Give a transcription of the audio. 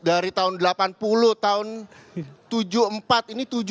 dari tahun delapan puluh tahun tujuh puluh empat ini tujuh puluh dua